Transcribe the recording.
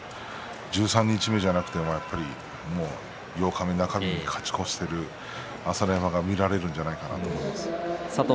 十三日目じゃなくて八日目、中日に勝ち越している朝乃山は見られるんじゃないかなと思います。